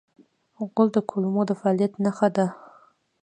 غول د کولمو د فعالیت نښه ده.